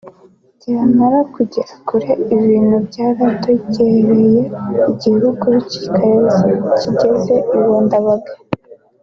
byamara kugera kure ibintu byaradogereye igihugu kigeze iwa Ndabaga